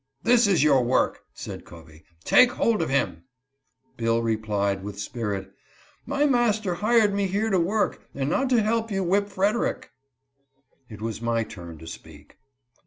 " This is your work" said Covey ;" take hold of him." Bill replied, with spirit :" My master hired me here to work, and not to help you whip Frederick." 176 HE APPEALS TO CAROLINE. It was my turn to speak.